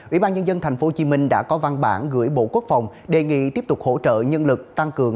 ủy ban nhân dân tp hcm đã có văn bản gửi bộ quốc phòng đề nghị tiếp tục hỗ trợ nhân lực tăng cường